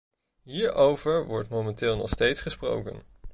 Hierover wordt momenteel nog steeds gesproken.